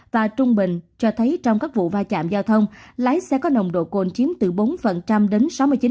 và trung bình cho thấy trong các vụ va chạm giao thông lái xe có nồng độ cồn chiếm từ bốn đến sáu mươi chín